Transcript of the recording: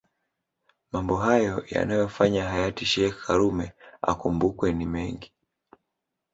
Mambo hayo yanayofanya hayati sheikh karume akumbukwe ni mengi